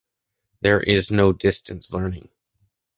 There is no distance learning.